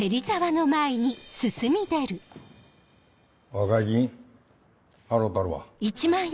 和解金払うたるわ。